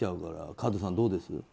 和津さん、どうです？